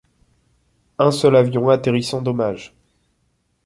Un seul avion atterrit sans dommages.